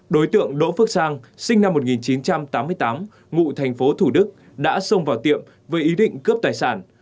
đối tượng đỗ phước sang sinh năm một nghìn chín trăm tám mươi tám ngụ thành phố thủ đức đã xông vào tiệm với ý định cướp tài sản